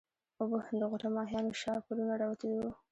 اوبه د غوټه ماهيانو شاهپرونه راوتلي وو.